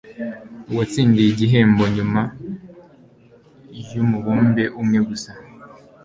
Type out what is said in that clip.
uwatsindiye igihembo nyuma yumubumbe umwe gusa